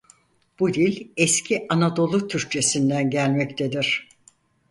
Bu dil Eski Anadolu Türkçesinden gelmektedir.